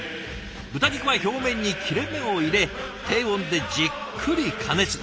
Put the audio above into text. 豚肉は表面に切れ目を入れ低温でじっくり加熱。